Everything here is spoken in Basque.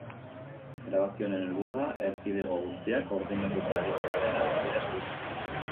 Erabaki honen helburua erkidego guztiak koordinatuta aritzea dela adierazi dute.